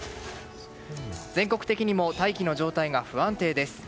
全国的にも大気の状態が不安定です。